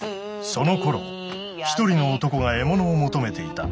そのころ一人の男が獲物を求めていた。